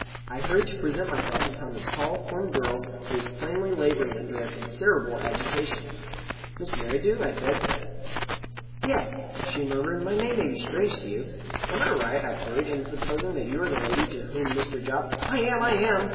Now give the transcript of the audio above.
I hurried to present myself, and found a tall, slim girl, who was plainly labouring under a considerable agitation. "Miss Merridew?" I said. "Yes," she murmured. "My name will be strange to you." "Am I right," I queried, "in supposing that you are the lady to whom Mr. Jopp " "I am! I am!"